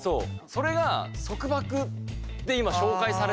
それが束縛って今紹介されてたから。